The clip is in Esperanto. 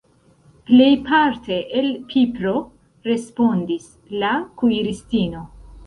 "Plejparte el pipro," respondis la kuiristino.